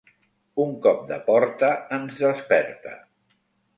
Un cop de porta ens desperta.